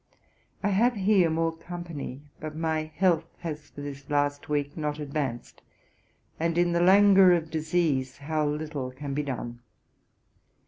I have here more company, but my health has for this last week not advanced; and in the languor of disease how little can be done?